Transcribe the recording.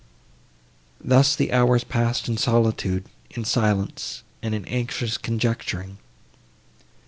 Thus the hours passed in solitude, in silence, and in anxious conjecturing.